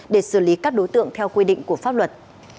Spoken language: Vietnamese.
để xử lý các đối tượng theo quy định của pháp luật